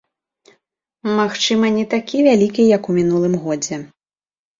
Магчыма, не такі вялікі, як у мінулым годзе.